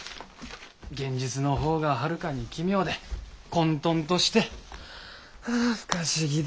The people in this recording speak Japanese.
現実の方がはるかに奇妙で混沌として不可思議で。